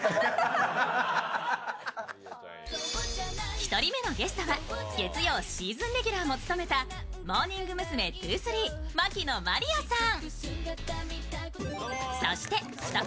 １人目のゲストは月曜シーズンレギュラーも務めたモーニング娘’２３牧野真莉愛さん。